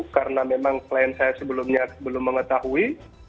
karena memang klien saya sebelumnya belum mengetahui